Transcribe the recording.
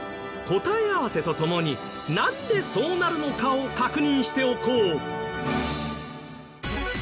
答え合わせとともになんでそうなるのかを確認しておこう。